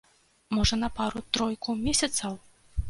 Можа, на пару-тройку месяцаў.